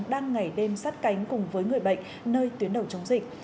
đang ngày đêm sát cánh cùng với người bệnh nơi tuyến đầu chống dịch